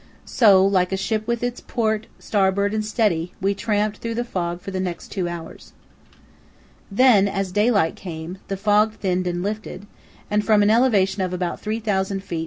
So, like a ship with its "port," "starboard," "steady," we tramped through the fog for the next two hours. Then, as daylight came, the fog thinned and lifted, and from an elevation of about 3000 ft.